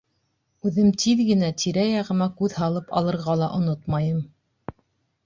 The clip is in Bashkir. Үҙем тиҙ генә тирә-яғыма күҙ һалып алырға ла онотмайым.